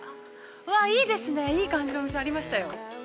わっ、いいですね、いい感じのお店ありましたよ。